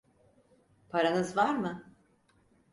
Paranız var mı?